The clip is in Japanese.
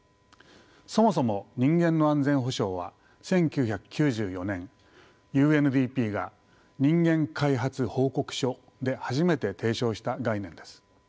そもそも人間の安全保障は１９９４年ＵＮＤＰが「人間開発報告書」で初めて提唱した概念です。